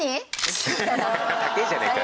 高えじゃねえかよ。